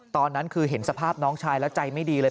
ตอนนั้นคือเห็นสภาพน้องชายแล้วใจไม่ดีเลย